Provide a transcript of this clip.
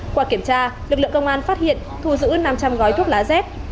trong khi kiểm tra lực lượng công an phát hiện thu giữ năm trăm linh gói thuốc lá dép